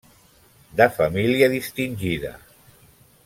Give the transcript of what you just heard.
De família distingida.